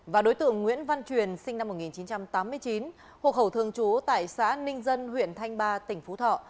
và đối tượng nguyễn văn truyền sinh năm một nghìn chín trăm tám mươi chín hộ khẩu thường trú tại xã ninh dân huyện thanh ba tỉnh phú thọ